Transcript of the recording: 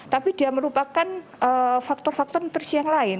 tapi dia merupakan faktor faktor nutrisi yang lain